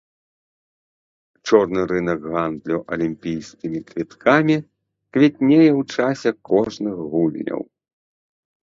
Чорны рынак гандлю алімпійскімі квіткамі квітнее ў часе кожных гульняў.